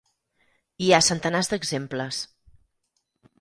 Hi ha centenars d'exemples.